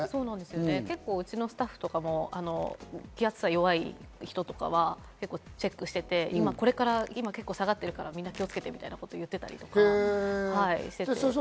結構うちのスタッフとかも気圧差弱い人とかはチェックしていて、これから今、下がってるから気をつけてみたいなこと言ってたりしています。